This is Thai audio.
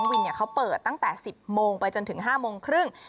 วินเขาเปิดตั้งแต่๑๐โมงไปจนถึง๕โมงครึ่ง